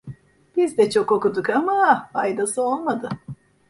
Biz de çok okuduk ama, faydası olmadı.